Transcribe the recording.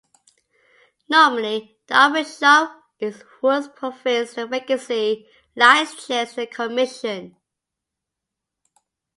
Normally the archbishop in whose province the vacancy lies chairs the commission.